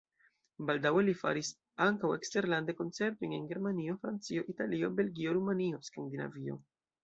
Baldaŭe li faris ankaŭ eksterlande koncertojn en Germanio, Francio, Italio, Belgio, Rumanio, Skandinavio.